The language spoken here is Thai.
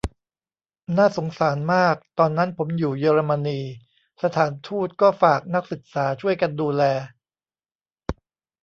น่าสงสารมาก : ตอนนั้นผมอยู่เยอรมนี สถานทูตก็ฝากนักศึกษาช่วยกันดูแล